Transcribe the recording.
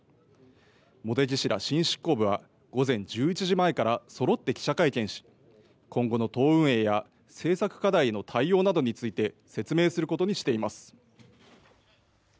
茂木氏ら新執行部は午前１１時前からそろって記者会見し今後の党運営や政策課題への対応などについて説明することにしています。